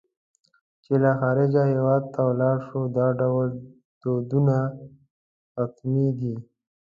چې له خارجه هېواد ته ولاړ شو دا ډول دردونه حتمي دي.